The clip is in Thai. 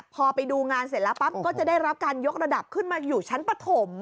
พอไปดูงานเสร็จแล้วปั๊บก็จะได้รับการยกระดับขึ้นมาอยู่ชั้นปฐม